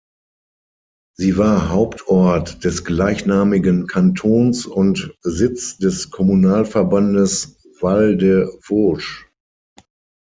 Sie war Hauptort des gleichnamigen Kantons und Sitz des Kommunalverbandes Val de Vôge.